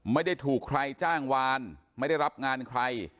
ไม่ได้ถูกใครจ้างวานไม่ได้รับงานใคร